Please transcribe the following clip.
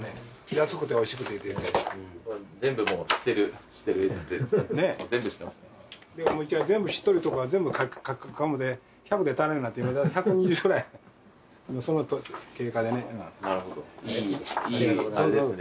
安くておいしくて全部もう知ってる知ってる全部知ってますね全部知っとるというとこは全部描こうと思うて１００で足らんようなって１２０ぐらいその当時の経過でねなるほどいいいいあれですね